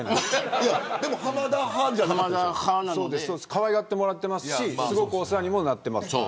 かわいがってもらっていますしすごくお世話にもなっています。